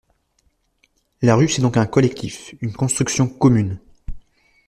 La rue, c’est donc un collectif, une construction commune.